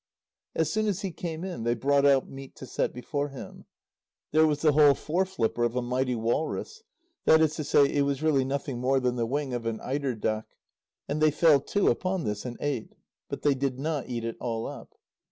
As soon as he came in, they brought out meat to set before him. There was the whole fore flipper of a mighty walrus. That is to say, it was really nothing more than the wing of an eider duck. And they fell to upon this and ate. But they did not eat it all up.